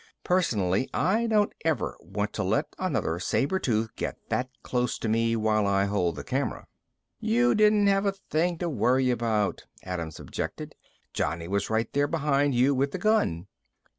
Personally, I don't ever want to let another saber tooth get that close to me while I hold the camera." "You didn't have a thing to worry about," Adams objected. "Johnny was right there behind you with the gun."